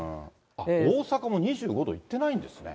大阪も２５度いってないんですね。